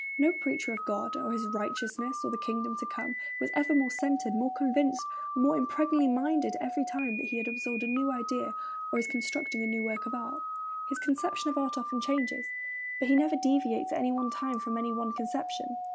No preacher of God and of righteousness and the kingdom to come was ever more centred, more convinced, more impregnably minded every time that he has absorbed a new idea or is constructing a new work of art. His conception of art often changes; but he never deviates at any one time from any one conception.